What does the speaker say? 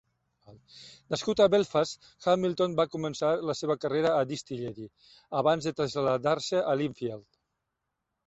Nascut a Belfast, Hamilton va començar la seva carrera a Distillery, abans de traslladar-se a Linfield.